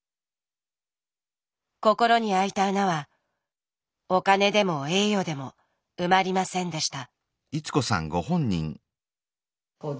心にあいた穴はお金でも栄誉でも埋まりませんでした。